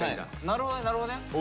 なるほどねなるほどね。